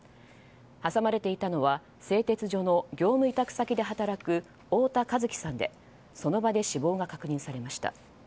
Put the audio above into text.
挟まれていたのは製鉄所の業務委託先で働く太田和輝さんでその場で死亡が確認されました。